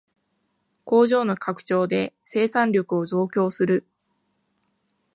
工場の拡張で生産力を増強する